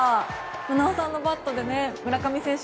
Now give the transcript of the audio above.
名和さんのバットで村上選手